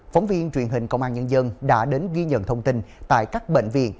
phóng viên truyền hình công an nhân dân đã đến ghi nhận thông tin tại các bệnh viện